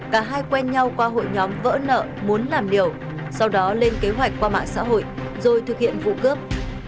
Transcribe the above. cả hai quen nhau qua hội nhóm vỡ nợ muốn làm liều sau đó lên kế hoạch qua mạng xã hội rồi thực hiện vụ cướp